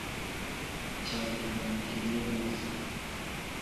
icya mbere banyakiriye neza